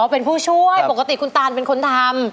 เป็นผู้ช่วยปกติคุณตานเป็นคนทำ